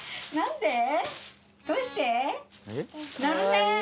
どうして？